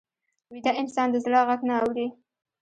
ویده انسان د زړه غږ نه اوري